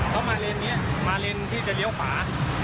เขามาเรนที่จะเลี้ยวขา